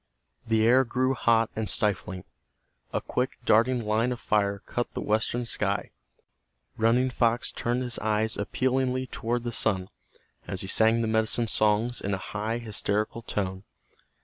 The air grew hot and stifling. A quick, darting line of fire cut the western sky. Running Fox turned his eyes appealingly toward the sun, as he sang the medicine songs in a high, hysterical tone.